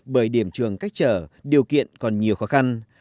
bởi điểm trường cách trở điều kiện còn nhiều khó khăn